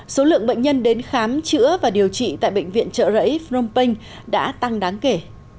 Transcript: số lượng bệnh nhân đến khám chữa và điều trị tại bệnh viện trợ rẫy phnom penh đã tăng đáng kể